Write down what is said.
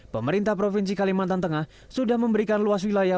pemerintah provinsi kalimantan tengah sudah memberikan luas wilayah